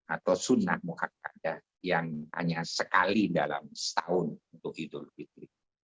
atau sunnah mukakadah yang hanya sekali dalam setahun untuk idul fitri